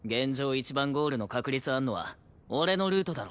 一番ゴールの確率あんのは俺のルートだろ。